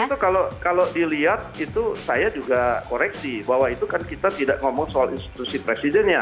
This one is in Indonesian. itu kalau dilihat itu saya juga koreksi bahwa itu kan kita tidak ngomong soal institusi presidennya